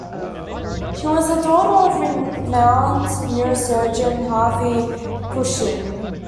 She was the daughter of renowned neurosurgeon Harvey Cushing.